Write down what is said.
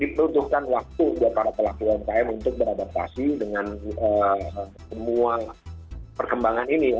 membutuhkan waktu untuk para pelaku ymkm untuk beradaptasi dengan semua perkembangan ini